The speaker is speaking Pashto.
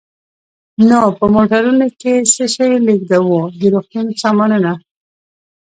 نو په موټرونو کې څه شی لېږدوو؟ د روغتون سامانونه.